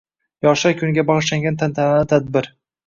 Yoshlar kuniga bagʻishlangan tantanali tadbir